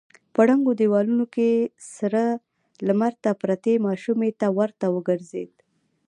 په ړنګو دېوالونو کې سره لمر ته پرتې ماشومې ته ور وګرځېد.